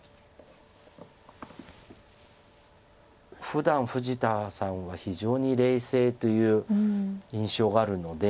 ふだん富士田さんは非常に冷静という印象があるので。